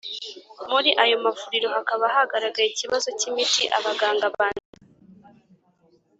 Muri ayo mavuriro hakaba haragaragaye ikibazo cy imiti abaganga bandika